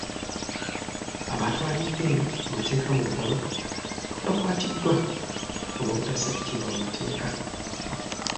Abaatwalidde amateeka mu ngalo bakwatiddwa olw'obutassa kitiibwa mu mateeka.